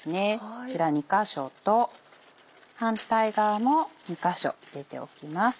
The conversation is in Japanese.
こちら２か所と反対側も２か所入れておきます。